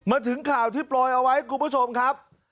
มาถึงข่าวที่โปรยเอาไว้คุณผู้ชมครับ